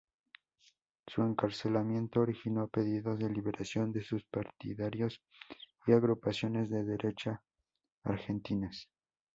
Su encarcelamiento originó pedidos de liberación de sus partidarios y agrupaciones de derecha argentinas.